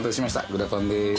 グラパンです。